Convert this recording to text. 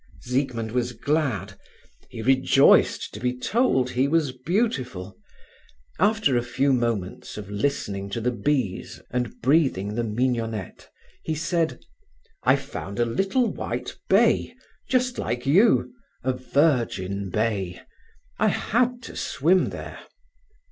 Siegmund was glad. He rejoiced to be told he was beautiful. After a few moments of listening to the bees and breathing the mignonette, he said: "I found a little white bay, just like you—a virgin bay. I had to swim there."